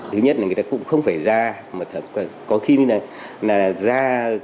thứ nhất là người ta cũng không phải ra mà có khi là ra